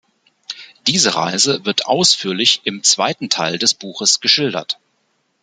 Diese Reise wird ausführlich im zweiten Teil des Buches geschildert.